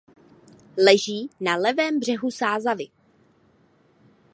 Leží na levém břehu Sázavy.